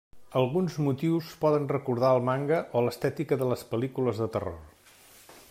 Alguns motius poden recordar el manga o l'estètica de les pel·lícules de terror.